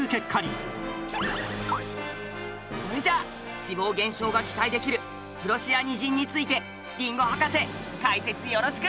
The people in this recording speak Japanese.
それじゃあ脂肪減少が期待できるプロシアニジンについてりんご博士解説よろしく！